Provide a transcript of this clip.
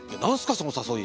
その誘い。